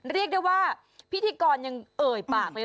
เรียกได้ว่าพิธีกรยังเอ่ยปากเลย